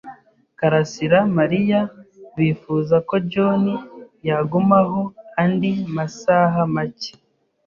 Karasirana Mariya bifuza ko John yagumaho andi masaha make.